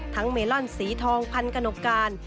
ทั้งเมลอนสีทองพันธุ์กรรมการ